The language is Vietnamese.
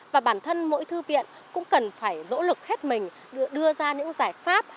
và bản thân mỗi thư viện cũng cần phải nỗ lực hết mình đưa ra những giải pháp